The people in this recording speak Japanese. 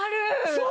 そう。